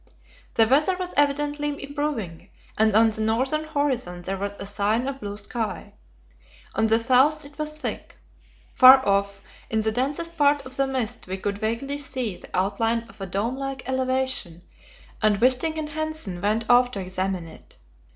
The weather was evidently improving, and on the northern horizon there was a sign of blue sky. On the south it was thick. Far off, in the densest part of the mist, we could vaguely see the outline of a dome like elevation, and Wisting and Hanssen went off to examine it.